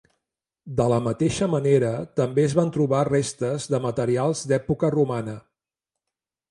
De la mateixa manera també es van trobar restes de materials d'època romana.